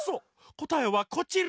こたえはこちら。